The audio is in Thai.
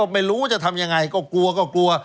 ไม่รู้จะทำยังไงก็กลัว